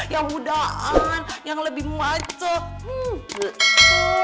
yang mudahan yang lebih macem